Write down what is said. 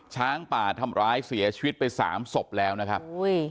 ช้างป่าทำร้ายเสียชีวิตไปสามศพแล้วนะครับ